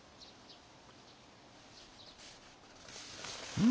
うん？